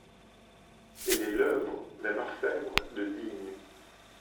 Elle est l’œuvre d’un orfèvre de Digne.